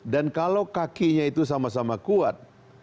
dan kalau kakinya itu sama sama kuat